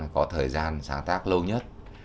có thời gian sáng tác lâu nhất